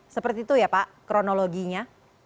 seperti itu ya pak kronologinya